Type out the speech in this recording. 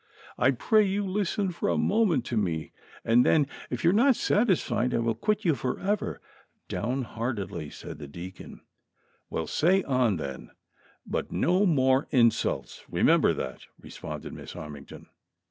" I pray you, listen for a moment to me, and then, if you are not satisfied, I will quit you foVever," down heartedly said the deacon, "Well, say on then; but no more insults, remember that," responded Miss Armington.